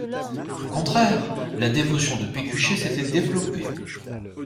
Au contraire, la dévotion de Pécuchet s'était développée.